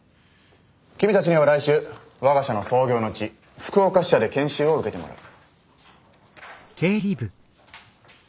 君たちには来週我が社の創業の地福岡支社で研修を受けてもらう。